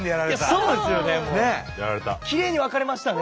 そうですよね